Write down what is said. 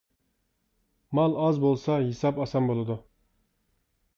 مال ئاز بولسا ھېساب ئاسان بولىدۇ.